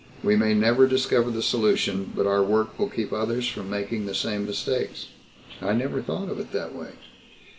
We may never discover the solution, but our work will keep others from making the same mistakes." "I never thought of it that way."